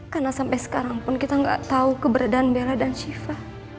karena sampai sekarang pun kita gak tau keberadaan bella dan shiva